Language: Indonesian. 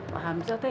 paham saja teh